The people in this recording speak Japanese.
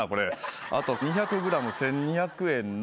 あと２００ｇ１，２００円の牛肉。